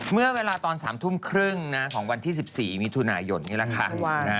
เมื่อเวลาตอน๓ทุ่มครึ่งของวันที่๑๔มิถุนายนนี่แหละค่ะ